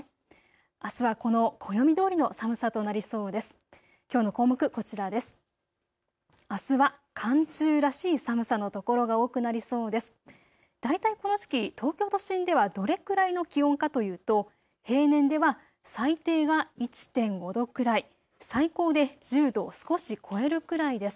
あすはこのこの暦どおりの寒さとなりそうです。